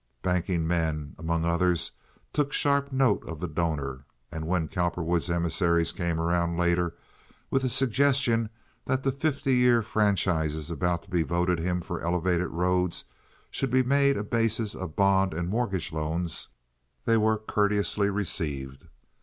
Banking men, among others, took sharp note of the donor, and when Cowperwood's emissaries came around later with a suggestion that the fifty year franchises about to be voted him for elevated roads should be made a basis of bond and mortgage loans, they were courteously received.